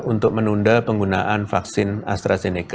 untuk menunda penggunaan vaksin astrazeneca